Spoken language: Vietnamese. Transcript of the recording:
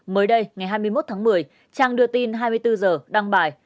mới đây ngày hai mươi một tháng một mươi trang đưa tin hai mươi bốn h đăng bài